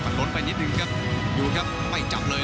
กันบนไปนิดหนึ่งครับยังอยู่ครับไม่จับเลย